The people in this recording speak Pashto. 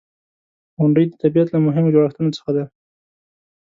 • غونډۍ د طبیعت له مهمو جوړښتونو څخه دي.